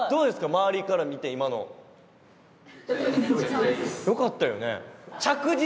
周りから見て今の。よかったよね。